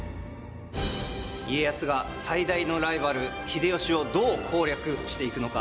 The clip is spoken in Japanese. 家康が最大のライバル秀吉をどう攻略していくのか。